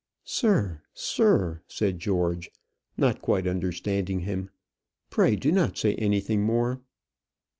"Sir, sir," said George, not quite understanding him; "pray do not say anything more."